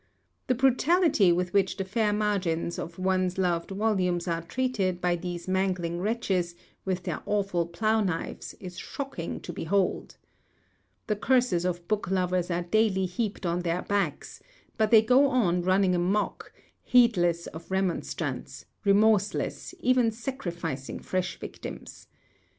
The brutality with which the fair margins of one's loved volumes are treated by these mangling wretches with their awful plough knives is shocking to behold. The curses of book lovers are daily heaped on their backs, but they go on running a muck, heedless of remonstrance, remorseless, ever sacrificing fresh victims.